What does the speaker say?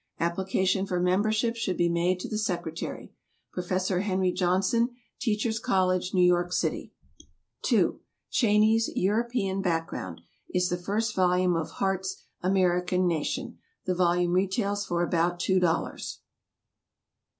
Application for membership should be made to the secretary, Professor Henry Johnson, Teachers' College, New York City. (2) Cheyney's "European Background" is the first volume of Hart's "American Nation"; the volume retails for about two dollars.